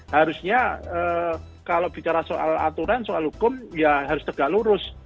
harusnya kalau bicara soal aturan soal hukum ya harus tegak lurus